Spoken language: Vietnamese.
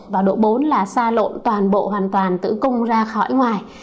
và độ bốn là xa lộn toàn bộ hoàn toàn tử cung ra khỏi ngoài